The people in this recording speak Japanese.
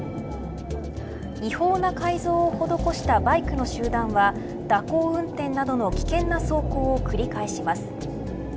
違法な改造を施したバイクの集団は蛇行運転などの危険な走行を繰り返します。